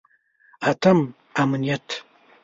اتم: امنیت.